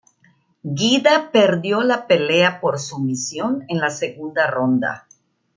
Guida perdió la pelea por sumisión en la segunda ronda.